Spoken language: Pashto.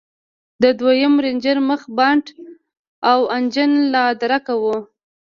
د دويم رېنجر مخ بانټ او انجن لادرکه و.